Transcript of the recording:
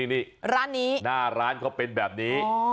นี่ร้านนี้หน้าร้านเขาเป็นแบบนี้